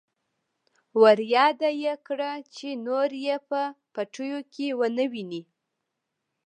ورياده يې کړه چې نور يې په پټيو کې ونه ويني.